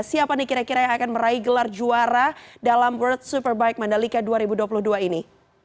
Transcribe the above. siapa nih kira kira yang akan meraih gelar juara dalam world superbike mandalika dua ribu dua puluh dua ini